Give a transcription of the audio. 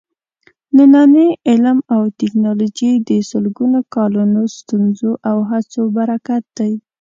نننی علم او ټېکنالوجي د سلګونو کالونو ستونزو او هڅو برکت دی.